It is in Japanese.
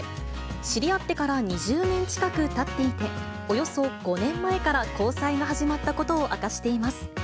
知り合ってから２０年近くたっていて、およそ５年前から交際が始まったことを明かしています。